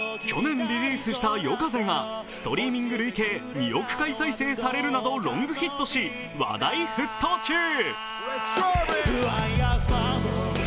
去年リリースした「ＹＯＫＡＺＥ」がストリーミング累計２億回再生されるなどロングヒットし話題沸騰中。